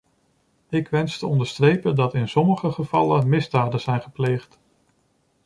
Ik wens te onderstrepen dat in sommige gevallen misdaden zijn gepleegd.